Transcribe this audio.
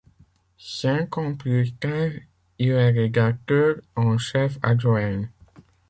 Cinq ans plus tard, il est rédacteur en chef adjoint.